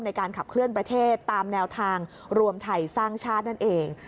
ในการขับเคลื่อนประเทศตามแนวทางรวมไทยสร้างชาตินั่นเอง